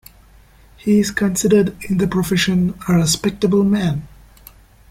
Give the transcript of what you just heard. He is considered, in the profession, a respectable man?